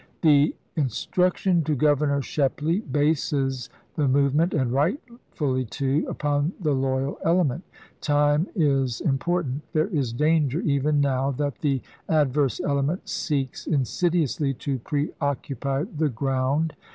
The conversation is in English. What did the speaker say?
The instruction to Governor Shepley bases the move ment (and rightfully, too) upon the loyal element. Time is important. There is danger, even now, that the ad verse element seeks insidiously to preoccupy the ground.